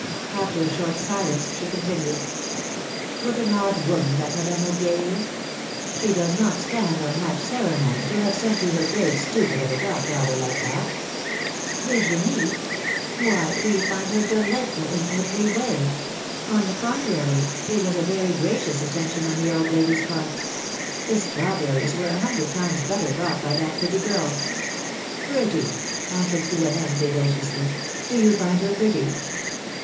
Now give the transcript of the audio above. After a short silence, she continued: ^^What an odd woman that Madame Aubier is! She does not stand on much ceremony, to have sent you her great stupid of a god daughter, like that ! ^'Virginie? Why, we find her delightful, in every way. On the contrary, it was a very gracious attention on the old lady's part. The strawberries were a hundred times better brought by that pretty girl I " ^^Pretty!" answered Philomene, vivaciously ; ^^do you find her pretty